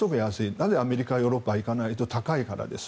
なぜアメリカ、ヨーロッパ行かないというのは高いからです。